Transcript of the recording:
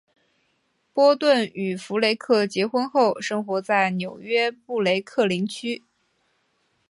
波顿与弗雷克结婚后生活在纽约布鲁克林区。